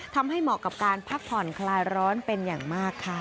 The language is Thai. เหมาะกับการพักผ่อนคลายร้อนเป็นอย่างมากค่ะ